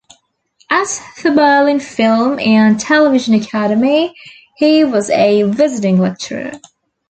At the Berlin Film and Television Academy he was a visiting lecturer.